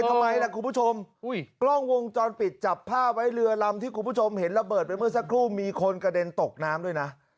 ทำไมล่ะคุณผู้ชมกล้องวงจรปิดจับภาพไว้เรือลำที่คุณผู้ชมเห็นระเบิดไปเมื่อสักครู่มีคนกระเด็นตกน้ำด้วยนะ